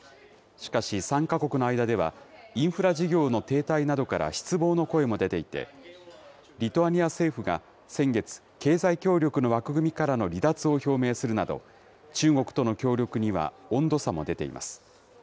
しかし、３か国の間ではインフラ事業の停滞などから、失望の声も出ていて、リトアニア政府が先月、経済協力の枠組みからの離脱を表明するなど、中国との協力には温度差も出ています。